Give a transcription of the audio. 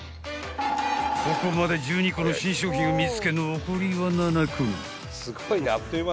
［ここまで１２個の新商品を見つけ残りは７個］